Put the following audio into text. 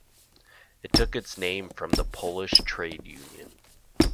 It took its name from the Polish trade union.